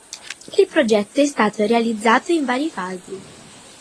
Il progetto è stato realizzato in varie fasi.